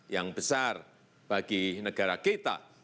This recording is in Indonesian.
yang besar bagi negara kita